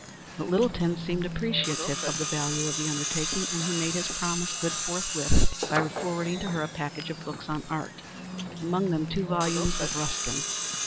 But Littleton seemed appreciative of the value of the undertaking, and he made his promise good forthwith by forwarding to her a package of books on art, among them two volumes of Ruskin.